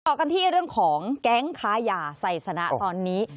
กันที่เรื่องของแก๊งค้ายาไซสนะตอนนี้